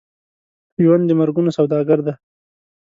ژوند د مرګونو سوداګر دی.